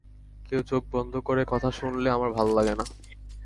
কেউ চোখ বন্ধ করে কথা শুনলে আমার ভাল লাগে না।